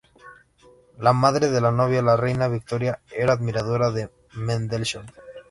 La madre de la novia, la reina Victoria, era admiradora de Mendelssohn.